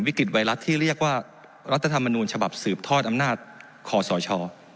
วิกฤตไวรัสที่เรียกว่ารัฐธรรมนูญฉบับสืบทอดอำนาจคอสช